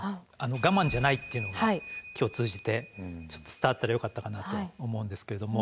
我慢じゃないっていうのが今日を通じてちょっと伝わったらよかったかなと思うんですけれども。